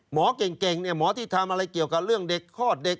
หมอเก่งเนี่ยหมอที่ทำอะไรเกี่ยวกับเรื่องเด็กคลอดเด็ก